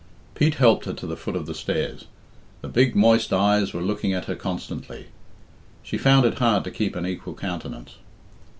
Pete helped her to the foot of the stairs. The big, moist eyes were looking at her constantly. She found it hard to keep an equal countenance.